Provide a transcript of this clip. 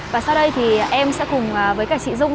và sau đây em sẽ cùng với chị dung